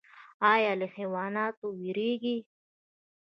ایا له حیواناتو ویریږئ؟